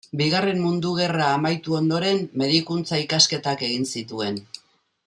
Bigarren Mundu Gerra amaitu ondoren, medikuntza-ikasketak egin zituen.